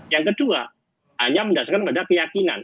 yang kedua hanya mendasarkan pada keyakinan